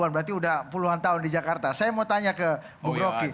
berarti sudah puluhan tahun di jakarta saya mau tanya ke bung rocky